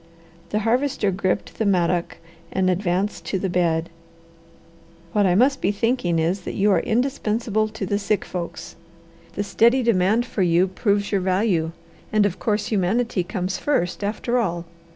The Harvester gripped the mattock and advanced to the bed. "What I must be thinking is that you are indispensable to the sick folks. The steady demand for you proves your value, and of course, humanity comes first, after all.